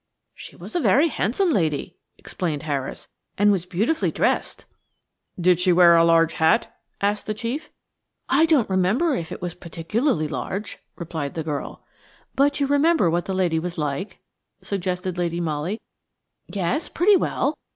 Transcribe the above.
"She was a very handsome lady," explained Harris, "and was beautifully dressed." "Did she wear a large hat?" asked the chief . "I don't remember if it was particularly large," replied the girl. "But you remember what the lady was like?" suggested Lady Molly. "Yes, pretty well.